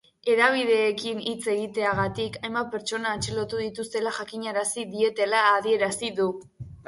Hedabideekin hitz egiteagatik hainbat pertsona atxilotu dituztela jakinarazi dietela adierazi du.